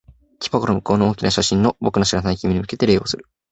木箱の向こうの大きな写真の、僕の知らない君に向けて礼をする。